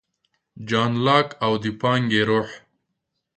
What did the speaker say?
جان لاک او د پانګې روح